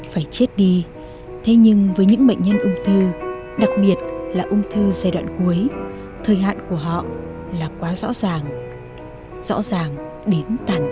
hãy đăng ký kênh để ủng hộ kênh của chúng mình nhé